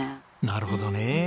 なるほどね。